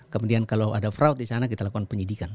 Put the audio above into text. kemudian kalau ada fraud di sana kita lakukan penyidikan